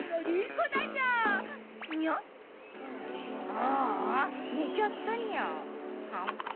ああねちゃったニャ。